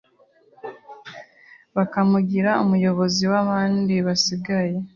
bakamugira umuyobozi w’abandi basigaye